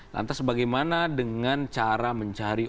lantas bagaimana dengan cara mencari orang